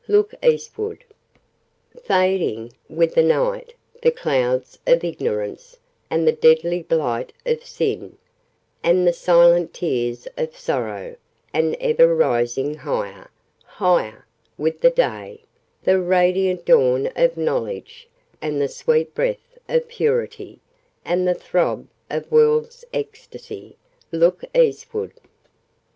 Look Eastward! "Fading, with the Night, the clouds of ignorance, and the deadly blight of sin, and the silent tears of sorrow: and ever rising, higher, higher, with the Day, the radiant dawn of knowledge, and the sweet breath of purity, and the throb of a world's ecstasy! Look Eastward! {Image...'Look eastward!'